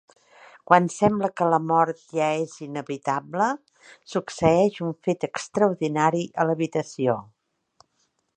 Quan sembla que la mort ja és inevitable, succeeix un fet extraordinari a l'habitació.